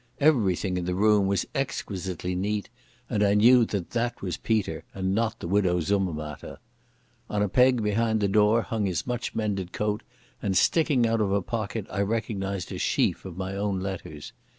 Everything in the room was exquisitely neat, and I knew that that was Peter and not the Widow Summermatter. On a peg behind the door hung his much mended coat, and sticking out of a pocket I recognised a sheaf of my own letters.